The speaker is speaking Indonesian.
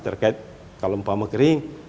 terkait kalau empama kering